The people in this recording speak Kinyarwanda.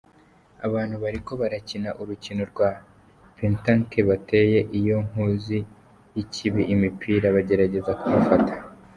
Abantu bariko barakina urukino rwa pétanque bateye iyo nkoziyikibi imipira bagerageza kumufata.